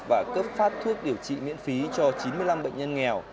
và cấp phát thuốc điều trị miễn phí cho chín mươi năm bệnh nhân nghèo